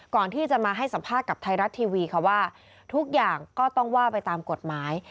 ก่อนที่จะมาให้สัมภาษณ์กับไทยรัฐทีวีค่ะว่าทุกอย่างก็ต้องว่าไปตามกฎหมาย